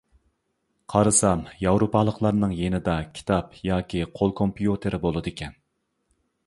قارىسام، ياۋروپالىقلارنىڭ يېنىدا كىتاب ياكى قول كومپيۇتېرى بولىدىكەن.